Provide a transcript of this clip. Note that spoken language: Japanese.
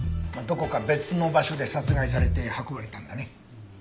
どこか別の場所で殺害されて運ばれたんだね。